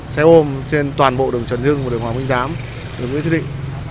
xe ôm trên toàn bộ đường trần hưng đường hoàng minh giám đường nguyễn thị định